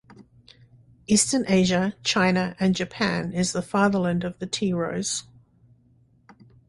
Eastern Asia, China and Japan, is the fatherland of the tea rose.